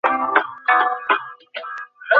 উঠোনের কলে জল-পড়ার শব্দ কানে এল।